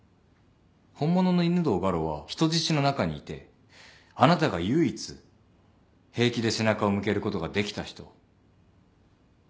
本物の犬堂ガロは人質の中にいてあなたが唯一平気で背中を向けることができた人。